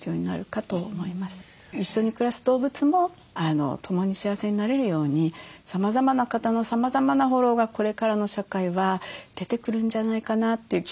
一緒に暮らす動物も共に幸せになれるようにさまざまな方のさまざまなフォローがこれからの社会は出てくるんじゃないかなという期待をすごくしております。